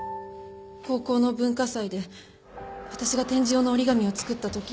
高校の文化祭で私が展示用の折り紙を作った時。